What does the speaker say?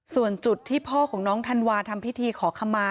ส่วนจุดที่พ่อของน้องธันวาทำพิธีขอขมา